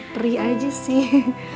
perih aja sih